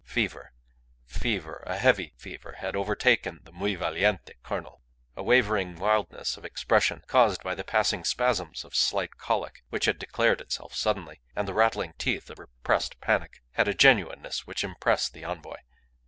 Fever, fever a heavy fever had overtaken the "muy valliente" colonel. A wavering wildness of expression, caused by the passing spasms of a slight colic which had declared itself suddenly, and the rattling teeth of repressed panic, had a genuineness which impressed the envoy.